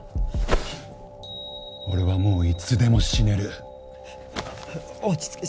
俺はもういつでも死ねる落ち着け